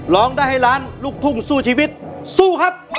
ร้องได้ให้ล้านลูกทุ่งสู้ชีวิตสู้ครับ